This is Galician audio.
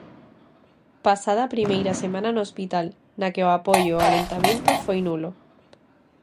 Pasada a primeira semana no hospital, na que o apoio ao aleitamento foi nulo.